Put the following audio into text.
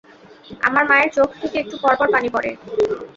আমার মায়ের চোখ থেকে একটু পর পর পানি পড়ে।